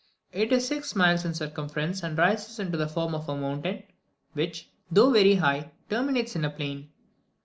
It is six miles in circumference, and rises into the form of a mountain, which, though very high, terminates in a plain.